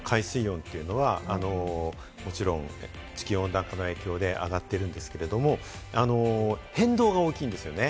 長期的には海水温は、もちろん地球温暖化の影響で上がっているんですけれども、変動が大きいんですよね。